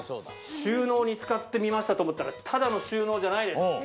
収納に使ってみましたと思ったらただの収納じゃないです。